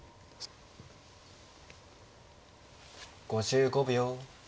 ５５秒。